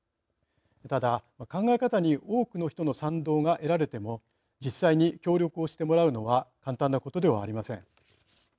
ただ、考え方に多くの人の賛同が得られても実際に協力をしてもらうのは簡単なことではありません。